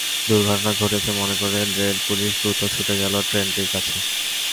দুর্ঘটনা ঘটেছে মনে করে রেল পুলিশ দ্রুত ছুটে গেল ট্রেনটির কাছে।